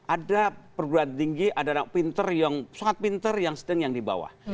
ada penduduk yang tinggi ada anak pintar yang sangat pintar yang sedang yang di bawah